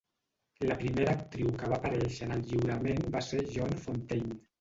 La primera actriu que va aparèixer en el lliurament va ser Joan Fontaine.